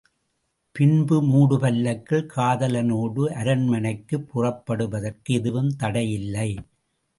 பின்பு மூடுபல்லக்கில் காதலனோடு அரண்மனைக்குப் புறப்படுவதற்கு எதுவும் தடையில்லை.